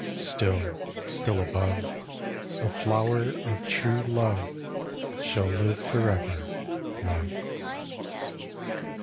Still, still above, The flower of True love shall live forever, love.